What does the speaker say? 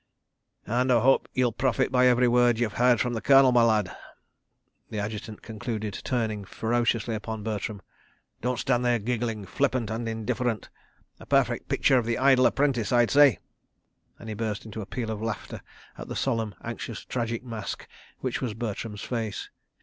"... And—I hope you'll profit by every word you've heard from the Colonel, my lad," the Adjutant concluded, turning ferociously upon Bertram. "Don't stand there giggling, flippant and indifferent—a perfect picture of the Idle Apprentice, I say," and he burst into a peal of laughter at the solemn, anxious, tragic mask which was Bertram's face.